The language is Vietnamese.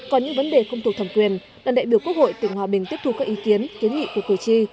còn những vấn đề không thuộc thẩm quyền đoàn đại biểu quốc hội tỉnh hòa bình tiếp thu các ý kiến kiến nghị của cử tri